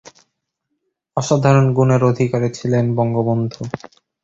অসাধারণ গুণের অধিকারী ছিলেন বঙ্গবন্ধু।